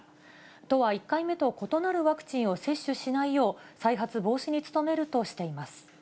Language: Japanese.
都は１回目と異なるワクチンを接種しないよう、再発防止に努めるとしています。